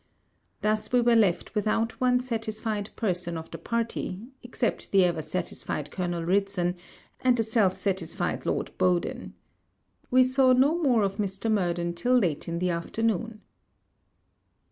Thus were we left without one satisfied person of the party, except the ever satisfied Colonel Ridson, and the self satisfied Lord Bowden. We saw no more of Mr. Murden, till late in the afternoon.